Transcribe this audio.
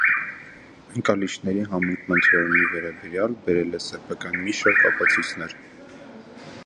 Ընկալիչների համընկման թեորեմի վերաբերյալ բերել է սեփական մի շարք ապացույցներ։